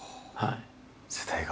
世代が。